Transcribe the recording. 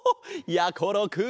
やころくん